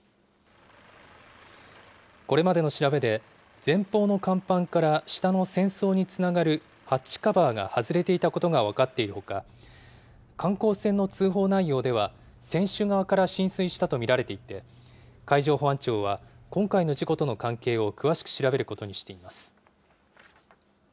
これまでの調べで、前方の甲板から下の船倉につながるハッチカバーが外れていたことが分かっているほか、観光船の通報内容では、船首側から浸水したと見られていて、海上保安庁は今回の事故との関係を詳しく調べることにしています。